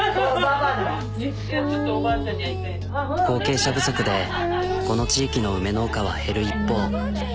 後継者不足でこの地域の梅農家は減る一方。